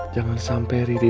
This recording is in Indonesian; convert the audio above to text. jangan sampai riri